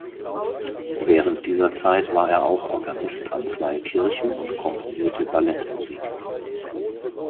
Während dieser Zeit war er auch Organist an zwei Kirchen und komponierte Ballettmusik.